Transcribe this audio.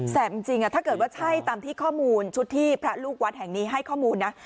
จริงถ้าเกิดว่าใช่ตามที่ข้อมูลชุดที่พระลูกวัดแห่งนี้ให้ข้อมูลนะ